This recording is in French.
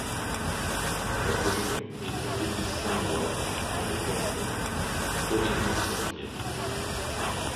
La commune est en pays saint-lois, dans le canton de Torigni-sur-Vire.